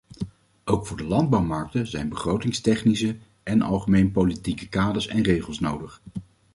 Ook voor de landbouwmarkten zijn begrotingstechnische en algemeen politieke kaders en regels nodig.